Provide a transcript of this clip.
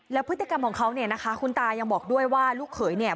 แล้วพฤติกรรมของเขาเนี่ยนะคะคุณตายังบอกด้วยว่าลูกเขยเนี่ย